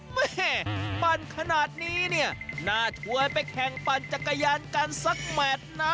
แม่ปั่นขนาดนี้เนี่ยน่าชวนไปแข่งปั่นจักรยานกันสักแมทนะ